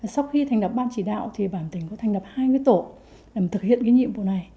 sau khi thành lập ban chỉ đạo bảo hiểm xã hội tỉnh có thành lập hai tổ làm thực hiện nhiệm vụ này